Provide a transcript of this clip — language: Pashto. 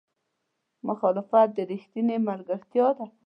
مخالفت رښتینې ملګرتیا ده.